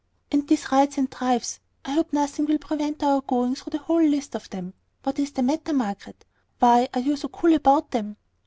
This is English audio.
"And these rides and drives, I hope nothing will prevent our going through the whole list of them. What is the matter, Margaret? Why are you so cool about them?"